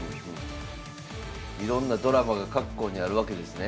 いろんなドラマが各校にあるわけですね。